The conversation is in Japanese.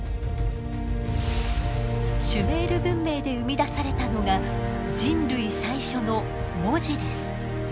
シュメール文明で生み出されたのが人類最初の文字です。